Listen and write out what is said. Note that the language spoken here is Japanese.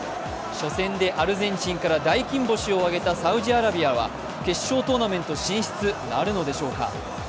初戦でアルゼンチンから大金星を挙げたサウジアラビアは決勝トーナメント進出なるのでしょうか。